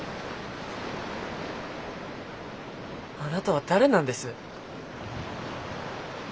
あなたは誰なんです？